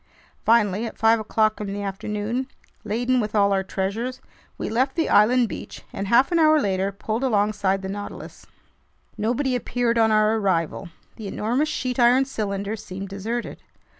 Finally, at five o'clock in the afternoon, laden with all our treasures, we left the island beach and half an hour later pulled alongside the Nautilus. Nobody appeared on our arrival. The enormous sheet iron cylinder seemed deserted.